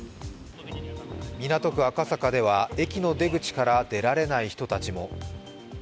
港区赤坂では駅の出口から出られない人たちも。